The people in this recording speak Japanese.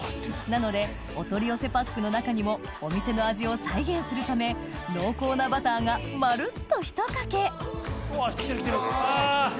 なのでお取り寄せパックの中にもお店の味を再現するため濃厚なバターがまるっとひとかけうわっ来てる来てるあ